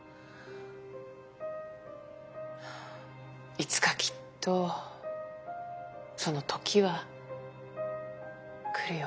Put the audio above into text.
いつかきっとその「時」は来るよ。